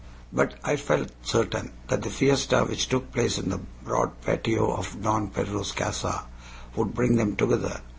But I felt certain that the fiesta which took place in the broad patio of Don Pedro's casa would bring them together.